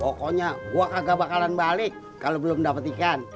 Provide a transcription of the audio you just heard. pokoknya gua kagak bakalan balik kalau belum dapet ikan